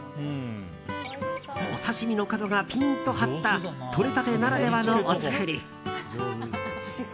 お刺し身の角がピンと張ったとれたてならではのお造り。